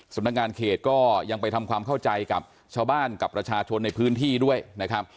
สำนักงานเขตก็ยังไปทำความเข้าใจกับชาวบ้านกับประชาชนในพื้นที่ด้วยนะครับ